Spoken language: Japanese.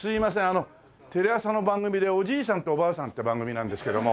あのテレ朝の番組で「おじいさんとおばあさん」って番組なんですけども。